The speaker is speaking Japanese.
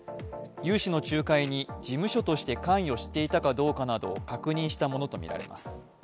融資の仲介に事務所として関与していたかどうかなどを確認していたものとみられます。